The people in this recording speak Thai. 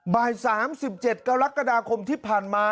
บ่าย๓๗กรกฎาคมที่ผ่านมา